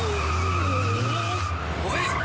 おい！